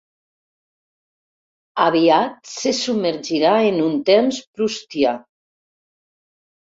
Aviat se submergirà en un temps proustià.